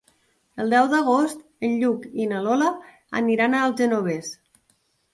El deu d'agost en Lluc i na Lola aniran al Genovés.